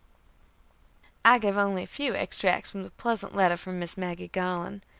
I give only a few extracts from the pleasant letter from Miss Maggie Garland.